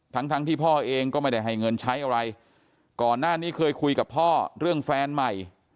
ทั้งทั้งที่พ่อเองก็ไม่ได้ให้เงินใช้อะไรก่อนหน้านี้เคยคุยกับพ่อเรื่องแฟนใหม่